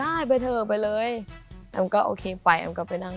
อ้าวแอมก็โอเค